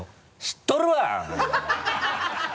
知っとるわ！